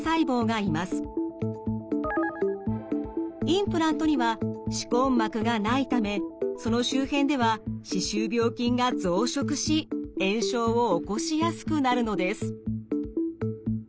インプラントには歯根膜がないためその周辺では歯周病菌が増殖し炎症を起こしやすくなるのです。